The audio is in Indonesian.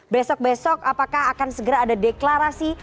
besok besok apakah akan segera ada deklarasi